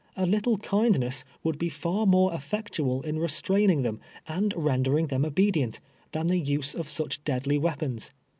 A lit tle kindness Avould be far more eftectual in restraining them, and rendering them obedient, than the use of such deadly Aveapons.